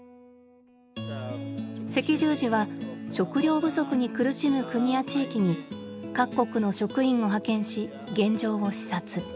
赤十字は食料不足に苦しむ国や地域に各国の職員を派遣し現状を視察。